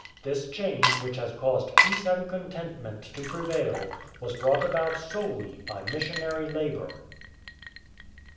This change, which has caused peace and contentment to prevail, was brought about solely by missionary labour."